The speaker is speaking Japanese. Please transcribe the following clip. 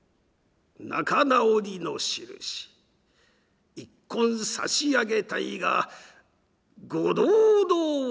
仲直りのしるしに一献差し上げたいがご同道をくだされ」。